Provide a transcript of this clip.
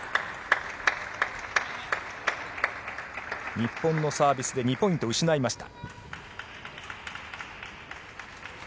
日本のサービスで２ポイント失いました。